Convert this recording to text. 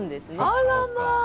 あらまあ。